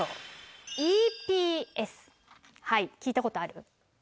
聞いたことある？